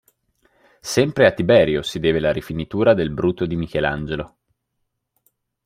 Sempre a Tiberio si deve la rifinitura del Bruto di Michelangelo.